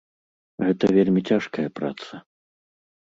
Гэта вельмі цяжкая праца.